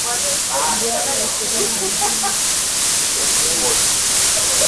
Februari ishirni na nane mwaka elfu mbili ishirini na mbili